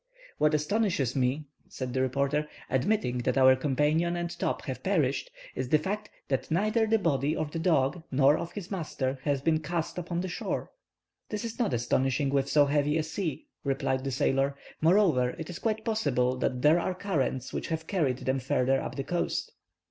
"What astonishes me," said the reporter, "admitting that our companion and Top have perished, is the fact that neither the body of the dog nor of his master has been cast upon the shore." "That is not astonishing with so heavy a sea," replied the sailor. "Moreover, it is quite possible that there are currents which have carried them farther up the coast."